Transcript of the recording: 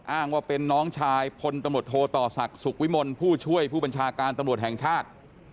อ้างว่าเป็นน้องชายพลตำรวจโทต่อศักดิ์สุขวิมลผู้ช่วยผู้บัญชาการตำรวจแห่งชาติ